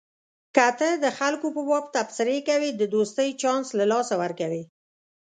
که ته د خلکو په باب تبصرې کوې د دوستۍ چانس له لاسه ورکوې.